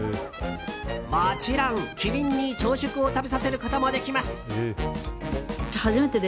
もちろんキリンに朝食を食べさせることもできます。